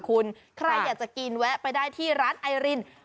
คุณใครอยากจะกินแวะไปได้ที่ร้านไอริน